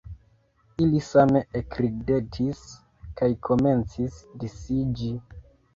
Ili same ekridetis kaj komencis disiĝi.